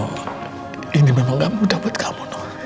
nuh ini memang gak mudah buat kamu nuh